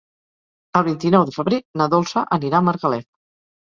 El vint-i-nou de febrer na Dolça anirà a Margalef.